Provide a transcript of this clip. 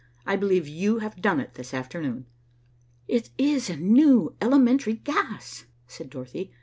I believe you have done it this afternoon." "It is a new, elementary gas," said Dorothy.